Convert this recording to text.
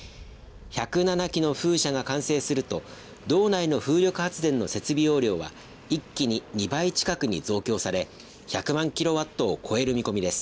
１０７基の風車が完成すると道内の風力発電の設備容量は一気に２倍近くに増強され１００万キロワットを超える見込みです。